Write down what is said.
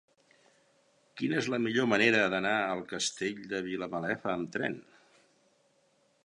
Quina és la millor manera d'anar al Castell de Vilamalefa amb tren?